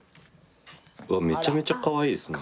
めちゃめちゃかわいいですね。